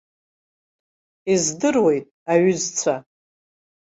Издыруеит, аҩызцәа.